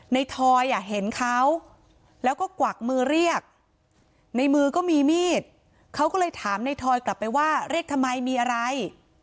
ทอยเห็นเขาแล้วก็กวักมือเรียกในมือก็มีมีดเขาก็เลยถามในทอยกลับไปว่าเรียกทำไมมีอะไร